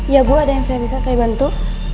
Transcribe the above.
ya bu ada yang saya bisa saya bantu